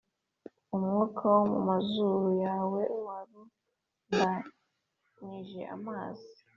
umwuka wo mu mazuru yawe warundanije amazi,